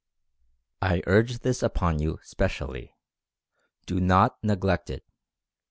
I URGE THIS UPON YOU specially. DO NOT NEGLECT IT.